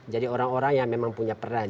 jadi orang orang yang memang punya peran